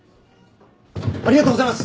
ありがとうございます！